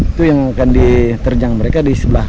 itu yang akan diterjang mereka di sebelah